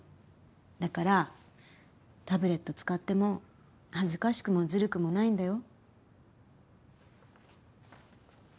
だからタブレット使っても恥ずかしくもずるくもないんだよ。